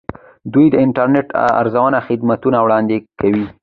دوی د انټرنیټ ارزانه خدمتونه وړاندې کوي.